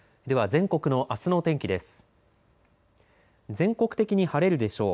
全国的に晴れるでしょう。